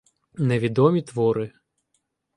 Невідомі твори.